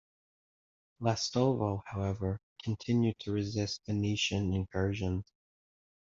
Lastovo however, continued to resist Venetian incursions.